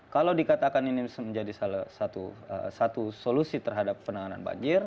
kalau dikatakan ini menjadi salah satu solusi terhadap penanganan banjir